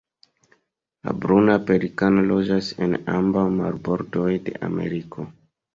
La Bruna pelikano loĝas en ambaŭ marbordoj de Ameriko.